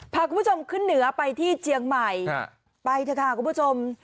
พาคุณผู้ชมขึ้นเหนือไปที่เจียงใหม่ไปเถอะค่ะคุณผู้ชม